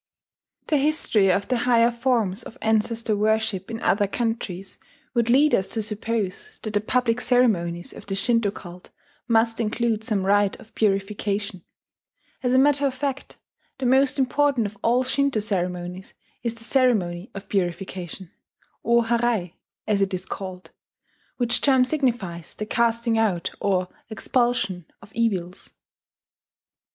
The history of the higher forms of ancestor worship in other countries would lead us to suppose that the public ceremonies of the Shinto cult must include some rite of purification. As a matter of fact, the most important of all Shinto ceremonies is the ceremony of purification, o harai, as it is called, which term signifies the casting out or expulsion of evils